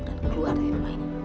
dan keluar dari rumah ini